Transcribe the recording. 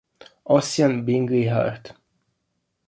Ossian Bingley Hart